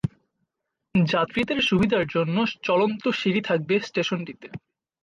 যাত্রীদের সুবিধার জন্য চলন্ত সিঁড়ি থাকবে স্টেশনটিতে।